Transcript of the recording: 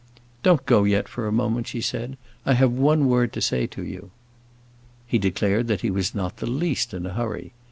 "Don't go yet for a moment," she said. "I have one word to say to you." He declared that he was not the least in a hurry.